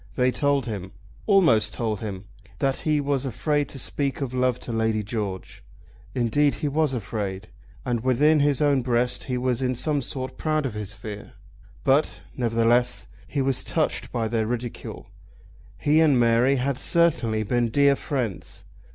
They told him, almost told him, that he was afraid to speak of love to Lady George. Indeed he was afraid, and within his own breast he was in some sort proud of his fear. But, nevertheless, he was touched by their ridicule. He and Mary had certainly been dear friends.